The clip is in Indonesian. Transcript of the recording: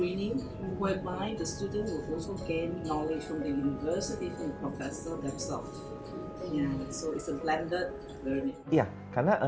jadi itu adalah pendapatan bergantian